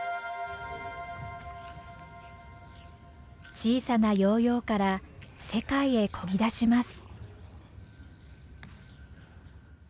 小さなヨーヨーから世界へこぎ出します。